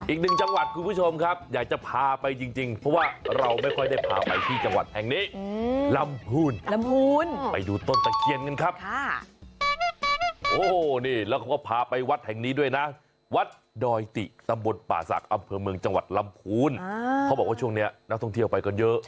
อีกหนึ่งจังหวัดคุณผู้ชมครับอยากจะพาไปจริงเพราะว่าเราไม่ได้พาไปที่จังหวัดแห่งนี้